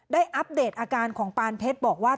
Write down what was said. อัปเดตอาการของปานเพชรบอกว่า